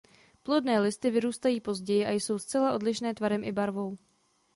Plodné listy vyrůstají později a jsou zcela odlišné tvarem i barvou.